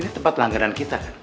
nah ini tempat pelanggaran kita kan